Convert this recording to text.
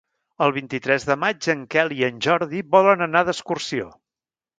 El vint-i-tres de maig en Quel i en Jordi volen anar d'excursió.